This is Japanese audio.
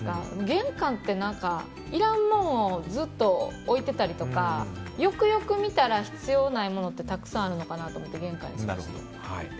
玄関って、いらんもんをずっと置いてたりとかよくよく見たら必要ないものってたくさんあるのかなと思って玄関には。